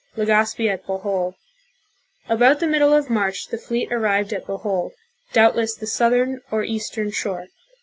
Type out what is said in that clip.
Legazpi at Bo hol. About the middle of March the fleet arrived at Bohol, doubt less the southern or eastern shore.